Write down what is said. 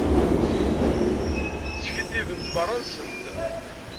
Skiddibent merra-nsent.